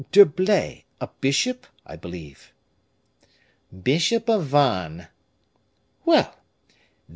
d'Herblay, a bishop, I believe?" "Bishop of Vannes." "Well! this M.